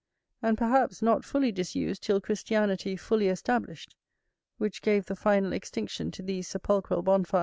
And, perhaps, not fully disused till Christianity fully established, which gave the final extinction to these sepulchral bonfires.